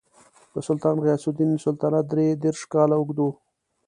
د سلطان غیاث الدین سلطنت درې دېرش کاله اوږد و.